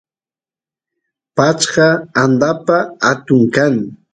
pashqa andapa atun kan